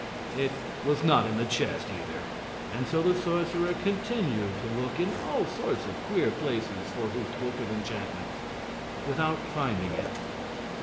It was not in the chest, either, and so the sorcerer continued to look in all sorts of queer places for his book of enchantments, without finding it.